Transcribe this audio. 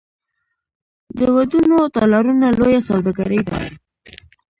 د ودونو تالارونه لویه سوداګري ده